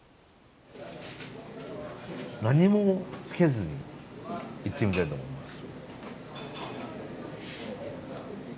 何もつけずにいってみたいと思います。